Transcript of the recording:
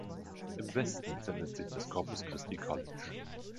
Im Westen befindet sich das Corpus Christi College.